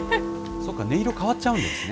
そうか、音色変わっちゃうんですね。